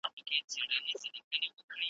کله کښته کله پورته کله شاته .